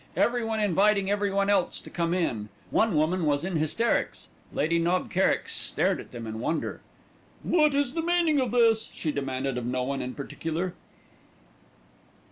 Everyone inviting everyone else to come in. One woman was in hysterics. Lady Knob Kerrick stared at them in wonder. "What is the meaning of this?" she demanded of no one in particular.